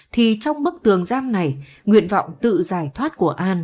thì trong bức tường giam này nguyện vọng tự giải thoát của an